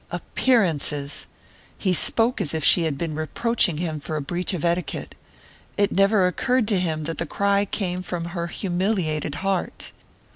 Appearances! He spoke as if she had been reproaching him for a breach of etiquette...it never occurred to him that the cry came from her humiliated heart!